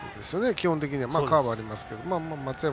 基本的にはカーブありますけど。